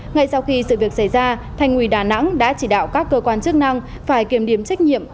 ngay sau khi sự việc xảy ra thành ủy đà nẵng đã chỉ đạo các cơ quan chức năng phải kiểm điểm trách nhiệm